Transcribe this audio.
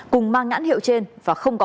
cùng mang nhãn hiệu trên và không có